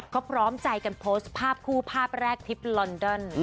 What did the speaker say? ก็พร้อมใจกันโพสต์ภาพคู่ภาพแรกทริปลอนดอน